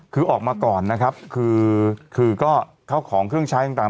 คือออกมาก่อนนะครับคือคือก็เข้าของเครื่องใช้ต่าง